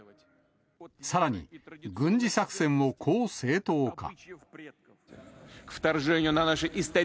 さらに、軍事作戦をこう正当化。